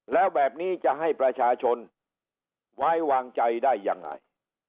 แล้วแบบนี้จะให้ประชาชนไว้วางใจได้ยังไง